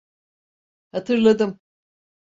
Hatırladım.